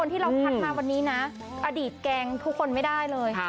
ที่เราคัดมาวันนี้นะอดีตแกงทุกคนไม่ได้เลย